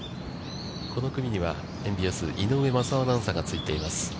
この組には、ＭＢＳ、井上雅雄アナウンサーがついています。